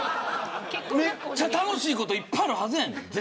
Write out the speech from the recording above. めっちゃ楽しいこといっぱいあるはずやねん。